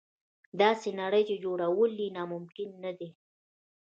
داسې نړۍ چې جوړول یې ناممکن نه دي.